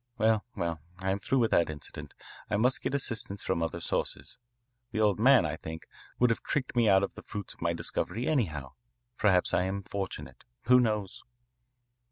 Well, well, I am through with that incident. I must get assistance from other sources. The old man, I think, would have tricked me out of the fruits of my discovery anyhow. Perhaps I am fortunate. Who knows?"